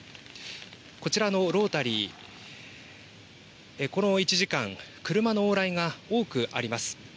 こちらのロータリー、この１時間、車の往来が多くあります。